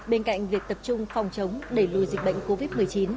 bên cạnh việc tập trung phòng chống đẩy lùi dịch bệnh covid một mươi chín